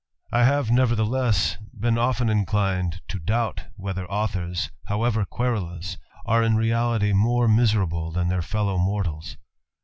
I have nevertheless, been often inclined to doubt, whether authors, however querulous, are in reality more miserable than their fellow mortals.